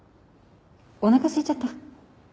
おなかすいちゃった。